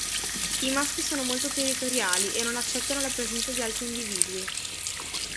I maschi sono molto territoriali, e non accettano la presenza di altri individui.